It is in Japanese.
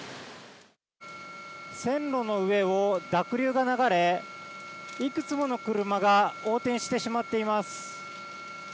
線路の上を濁流が流れ、いくつもの車が横転してしまっています。